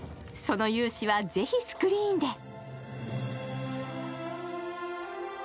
その勇姿はぜひスクリーンで。